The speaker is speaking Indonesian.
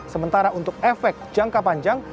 sementara untuk efek jangka panjang